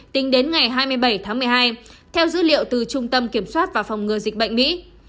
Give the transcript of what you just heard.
tính đến ngày hai mươi bảy tháng một mươi hai theo dữ liệu từ trung tâm kiểm soát và phòng ngừa dịch bệnh mỹ